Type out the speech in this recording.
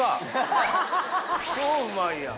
超うまいやん！